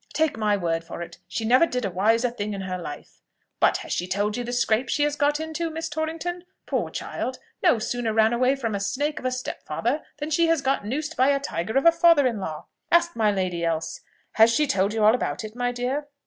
Take my word for it, she never did a wiser thing in her life. But has she told you the scrape she has got into, Miss Torrington? Poor child! no sooner ran away from a snake of a stepfather, than she has got noosed by a tiger of a father in law. Ask my lady else. Has she told you all about it, my dear?"